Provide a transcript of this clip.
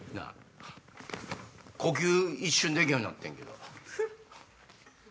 呼吸一瞬できへんようになってんけど。